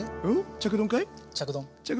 着丼かい？